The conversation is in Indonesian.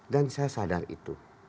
dan saya sadar itu